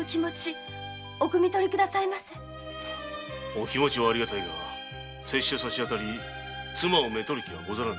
お気持はありがたいがさしあたり妻を娶る気はござらぬ。